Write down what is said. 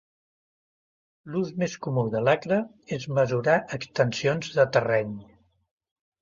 L"ús més comú de l"acre és mesurar extensions de terreny.